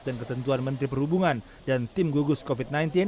dan ketentuan menteri perhubungan dan tim gugus covid sembilan belas